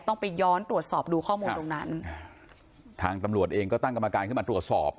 ต้องไปย้อนตรวจสอบดูข้อมูลตรงนั้นทางตำรวจเองก็ตั้งกรรมการขึ้นมาตรวจสอบ